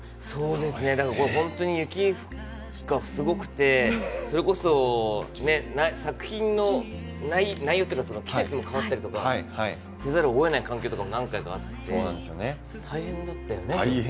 本当に雪がすごくてそれこそ、作品の内容というか季節も変わったりとかせざるをえない環境も何回かあって大変だったよね？